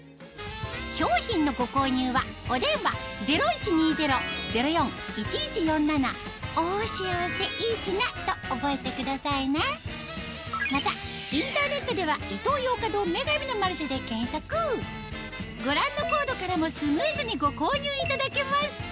商品のご購入はお電話０１２０−０４−１１４７と覚えてくださいねまたインターネットではご覧のコードからもスムーズにご購入いただけます